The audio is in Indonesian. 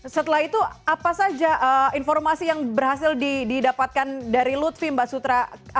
setelah itu apa saja informasi yang berhasil didapatkan dari lutfi mbak sutra